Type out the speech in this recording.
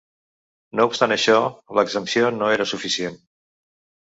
No obstant això, l'exempció no era suficient.